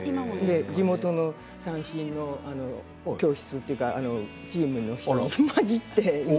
地元の三線のお教室というかチームの人に混じって。